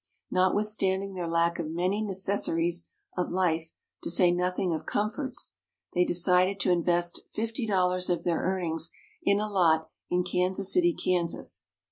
Notwithstanding their lack of many necessaries of life, to say nothing of comforts, they decided to invest $50 of their earnings in a lot in Kansas City, Kansas.